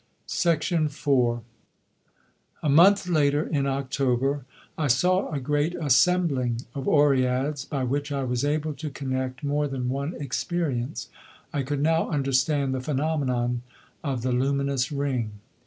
IV A month later, in October, I saw a great assembling of Oreads, by which I was able to connect more than one experience. I could now understand the phenomenon of the luminous ring.